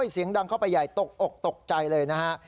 เสียงดังเข้าไปใหญ่ตกอกตกใจเลยนะฮะ